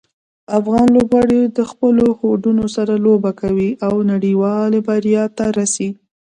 افغان لوبغاړي د خپلو هوډونو سره لوبه کوي او نړیوالې بریا ته رسي.